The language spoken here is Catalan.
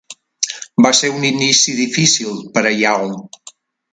Va ser un inici difícil per a Young.